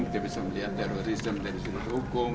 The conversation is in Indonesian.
kita bisa melihat terorisme dari sudut hukum